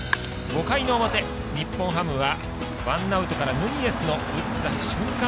５回の表日本ハムはワンアウトからヌニエスの打った瞬間